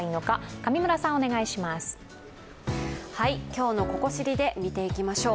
今日の「ここ知り」で見ていきましょう。